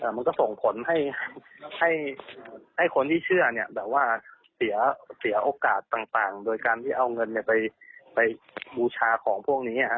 มันก็ส่งผลให้คนที่เชื่อเนี่ยแบบว่าเสียโอกาสต่างโดยการที่เอาเงินไปบูชาของพวกนี้